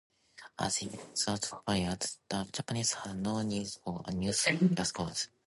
As events transpired, the Japanese had no need for a news broadcast code.